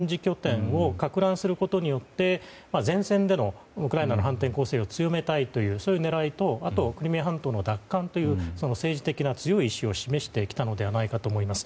懸念があったんですが直ちにそういうことはないということで、現在ロシア軍の後方の軍事拠点をかく乱することによって前線でのウクライナの反転攻勢を強めたいという狙いとあとはクリミア半島の奪還という政治的な強い意志を示してきたのではないかと思います。